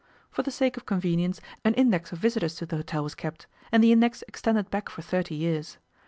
For the sake of convenience an index of visitors to the hotel was kept and the index extended back for thirty years.